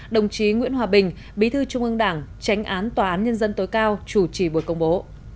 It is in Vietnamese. đồng chí nguyễn hòa bình bí thư trung ương đảng tránh án tòa án nhân dân tối cao chủ trì buổi công bố